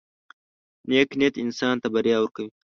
• نیک نیت انسان ته بریا ورکوي.